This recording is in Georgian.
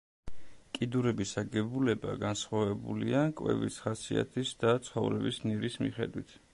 კიდურების აგებულება განსხვავებულია კვების ხასიათის და ცხოვრების ნირის მიხედვით.